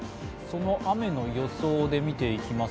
雨の予想で見ていきます。